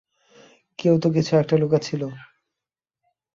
কেউ কিছু একটা তো লুকোচ্ছিল।